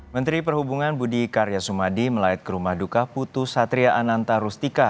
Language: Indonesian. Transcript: menteri perhubungan budi karya sumadi melayat ke rumah duka putu satria ananta rustika